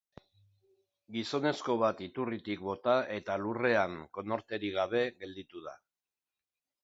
Gizonezko bat iturritik bota eta lurrean, konorterik gabe, gelditu da.